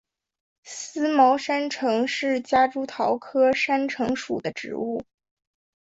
思茅山橙是夹竹桃科山橙属的植物。